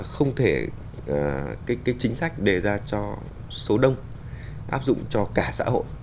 không thể chính sách đề ra cho số đông áp dụng cho cả xã hội